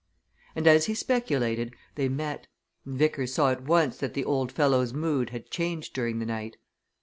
And as he speculated, they met, and Vickers saw at once that the old fellow's mood had changed during the night.